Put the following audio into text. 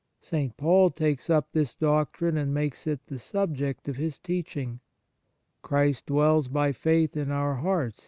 St. Paul takes up this doctrine and makes it the subject of his teaching : "Christ dwells byfaith in our hearts